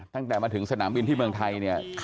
ตั้งแต่มาถึงสนามบินที่เมืองไทยเนี่ย